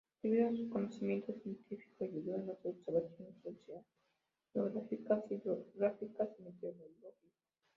Debido a su conocimiento científico, ayudó en las observaciones oceanográficas, hidrográficas y meteorológicas.